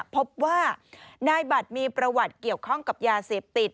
พบว่านายบัตรมีประวัติเกี่ยวข้องกับยาเสพติด